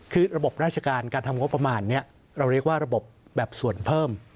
คือระบบราชการการทำงบประมาณนี้เราเรียกว่าระบบแบบส่วนเพิ่ม